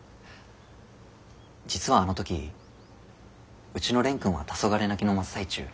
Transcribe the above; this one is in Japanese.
実はあの時うちの蓮くんは黄昏泣きの真っ最中。